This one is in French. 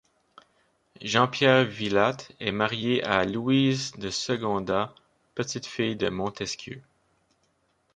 Jean-Pierre Villatte est marié à Louise de Secondat, petite fille de Montesquieu.